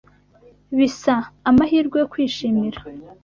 bisa, amahirwe yo kwishimira!